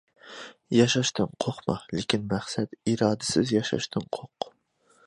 ياشاشتىن قورقما، لېكىن مەقسەت، ئىرادىسىز ياشاشتىن قورق.